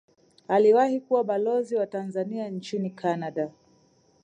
aliwahi kuwa balozi wa tanzania nchini canada